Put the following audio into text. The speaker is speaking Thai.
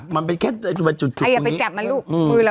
มันไปแค่จุดอย่าไปจับมันลูก